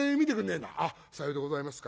「さようでございますか。